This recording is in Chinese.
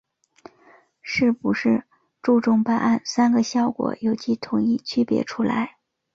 是不是注重办案‘三个效果’有机统一区别出来